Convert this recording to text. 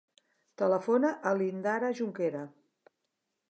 Telefona a l'Indara Junquera.